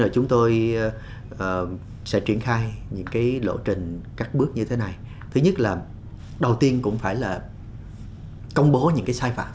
công bố những cái sai phạm của facebook